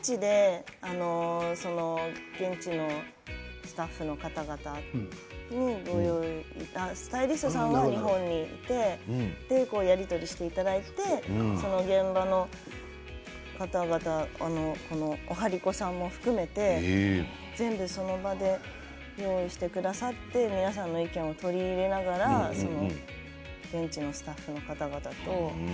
現地のスタッフの方々にご用意していただいてスタイリストさんは日本にいてやり取りしていただいて現場の方々、お針子さんも含めて全部その場で用意してくださって皆さんの意見を取り入れながら現地のスタッフの方々と。